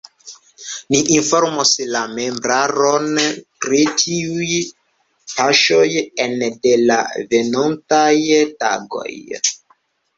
Ni informos la membraron pri tiuj paŝoj ene de la venontaj tagoj.